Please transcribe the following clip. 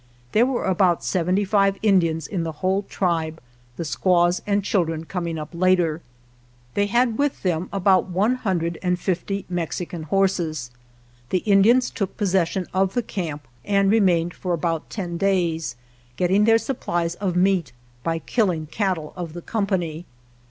There were about seventy five Indians in the whole tribe, the squaws and children coming up later. They had with them about one hundred and fifty Mexican horses. The Indians took posses sion of the camp and remained for about ten 94 OTHER RAIDS days, getting their supplies of meat by kill ing cattle of the company.